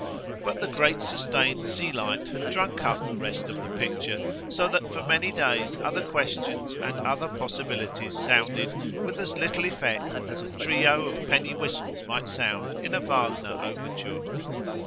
But the great sustained sea light had drunk up the rest of the picture, so that for many days other questions and other possibilities sounded with as little effect as a trio of penny whistles might sound in a Wagner overture.